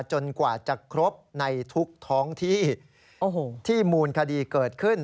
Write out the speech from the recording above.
กว่าจะครบในทุกท้องที่ที่มูลคดีเกิดขึ้น